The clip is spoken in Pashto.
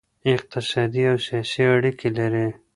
اقتصادي او سیاسي اړیکې لري